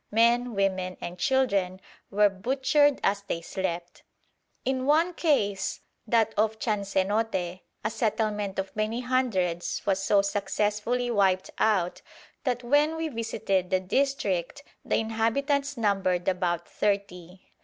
Men, women, and children were butchered as they slept. In one case, that of Chansenote, a settlement of many hundreds was so successfully wiped out that when we visited the district the inhabitants numbered about thirty.